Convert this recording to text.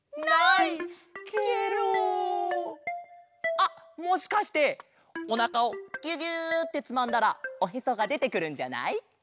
あっもしかしておなかをギュギュッてつまんだらおへそがでてくるんじゃない？